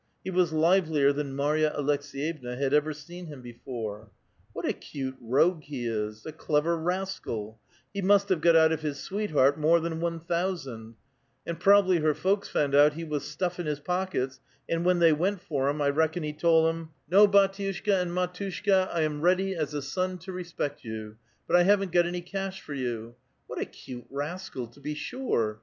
He was livelier than Marya Aleks^yevna had ever seen him before. (*• What a cute rogue he is ! a clever rascal [shelma'] I He must have got out of his sweetheart [bride] more than one thousand ; and prob'ly her folks found out how he was stnffin' his pock ets, and when they went for him, I reckon he tol' 'em ;—^ "^vi^ 114 A VITAL QUESTION. biitiuaJika niul matuahka, I am ready as a son to respect you, but I h:iveirt got any cash for you.' What a cute rascal, to be sure